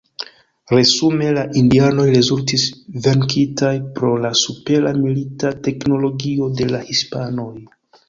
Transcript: Resume la indianoj rezultis venkitaj pro la supera milita teknologio de la hispanoj.